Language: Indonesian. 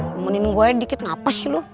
nemenin gue dikit ngapas sih lo